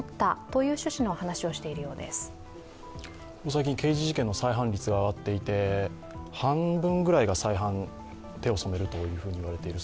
最近、刑事事件の再犯率が上がっていて、半分ぐらいが再犯に手を染めるといわれている。